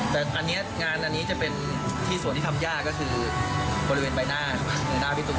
แต่อันนี้งานอันนี้จะเป็นที่ส่วนที่ทำยากก็คือบริเวณใบหน้าหรือหน้าพี่ตูน